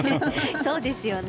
そうですよね。